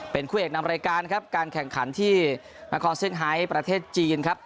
เป็นคู่เอกนำรายการครับการแข่งขันที่นครเซี่ยงไฮประเทศจีนครับ